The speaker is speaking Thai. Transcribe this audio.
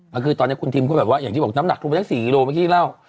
ก็คือตอนนี้คุณทิมก็แบบว่าอย่างที่บอกน้ำหนักลงไปตั้ง๔กิโลเมื่อกี้เล่า